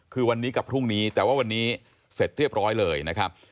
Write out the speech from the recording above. คือวันนี้กับพรุ่งนี้แต่ว่าวันนี้เสร็จเรียบร้อยเลยนะครับ